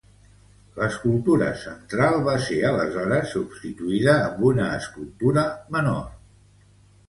L'escultura central va ser aleshores substituïda amb una escultura menor.